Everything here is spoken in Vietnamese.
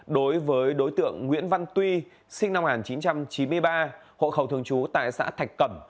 đối với đối tượng nguyễn văn tuy sinh năm một nghìn chín trăm chín mươi ba hộ khẩu thường trú tại xã thạch cẩm